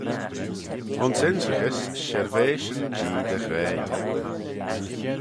Ayns ynrickys shirveish yn Jee dy ghraih.